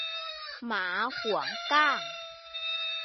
หมาหวงก้าง